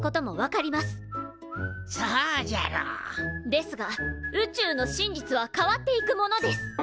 ですが宇宙の真実は変わっていくものです！